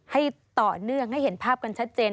ให้ต่อเนื่องให้เห็นภาพกันชัดเจน